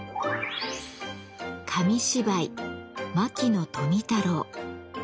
紙芝居「牧野富太郎」。